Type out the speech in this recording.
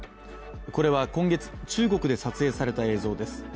これは今月、中国で撮影された映像です。